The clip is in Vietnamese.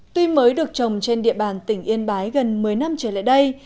tuy mới được trồng trên địa bàn tỉnh yên bái gần một mươi năm trở lại đây